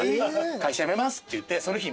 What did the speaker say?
会社辞めますって言って。